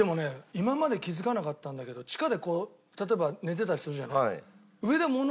今まで気づかなかったんだけど地下でこう例えば寝てたりするじゃない。